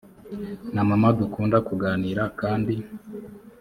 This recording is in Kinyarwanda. na mama dukunda kuganira kandi